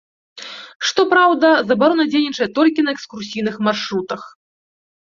Што праўда, забарона дзейнічае толькі на экскурсійных маршрутах.